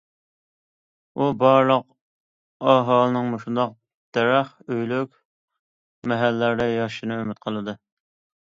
ئۇ بارلىق ئاھالىنىڭ مۇشۇنداق دەرەخ ئۆيلۈك مەھەللىلەردە ياشىشىنى ئۈمىد قىلدى.